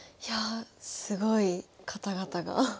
いやあすごい方々が。